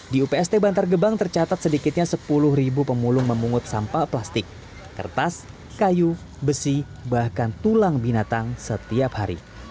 di upst bantar gebang tercatat sedikitnya sepuluh pemulung memungut sampah plastik kertas kayu besi bahkan tulang binatang setiap hari